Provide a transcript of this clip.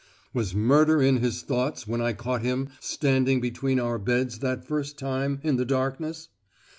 "Was murder in his thoughts when I caught him standing between our beds that first time, in the darkness?